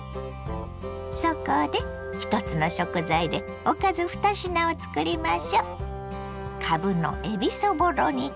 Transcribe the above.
そこで１つの食材でおかず２品をつくりましょ。